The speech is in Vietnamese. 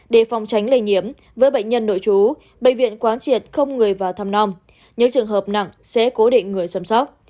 để phòng tránh lây nhiễm với bệnh nhân nội trú bệnh viện quán triệt không người vào thăm non những trường hợp nặng sẽ cố định người chăm sóc